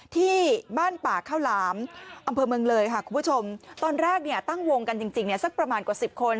ที่บ้านป่าข้าวหลามอำเภอเมืองเลยค่ะคุณผู้ชมตอนแรกเนี่ยตั้งวงกันจริงเนี่ยสักประมาณกว่าสิบคน